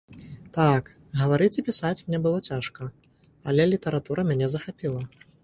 Так, гаварыць і пісаць мне было цяжка, але літаратура мяне захапіла.